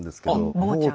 坊ちゃん。